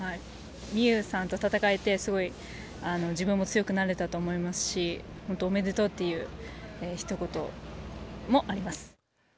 美夢有さんと戦えて自分も強くなれたと思いますしおめでとうという一言もあります。